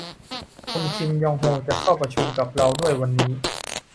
คุณคิมยองโฮจะเข้าประชุมกับเราด้วยวันนี้